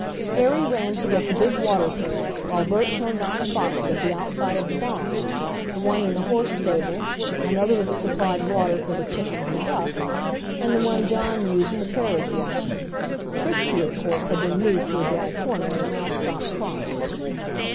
Harry ran to get the big water pail, while Bert turned on the faucet at the outside of the barn, the one in the horse stable, another that supplied water for the chickens and ducks, and the one John used for carriage washing. Frisky, of course, had been moved to a dry corner and now stopped crying.